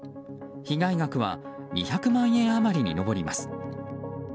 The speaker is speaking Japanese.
被害額は２００万円余りに上ります。